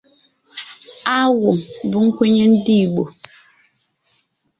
Agwụ bụ nkwenye Ndị Igbo